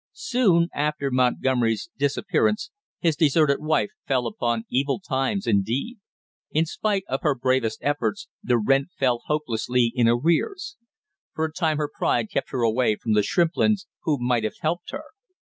Soon after Montgomery's disappearance his deserted wife fell upon evil times indeed. In spite of her bravest efforts the rent fell hopelessly in arrears. For a time her pride kept her away from the Shrimplins, who might have helped her.